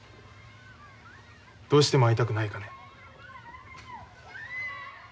どうしても会いたくないかね。